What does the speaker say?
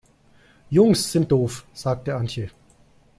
Jungs sind doof, sagt Antje.